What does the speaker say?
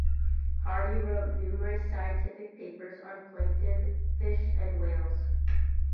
Hardy wrote numerous scientific papers on plankton, fish and whales.